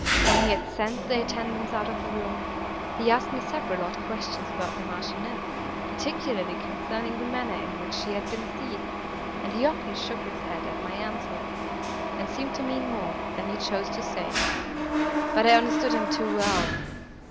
When he had sent the attendants out of the room, he asked me several odd questions about the Marchioness, particularly concerning the manner, in which she had been seized, and he often shook his head at my answers, and seemed to mean more, than he chose to say. But I understood him too well.